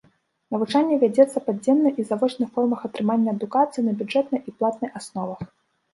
Навучанне вядзецца па дзённай і завочнай формах атрымання адукацыі на бюджэтнай і платнай асновах.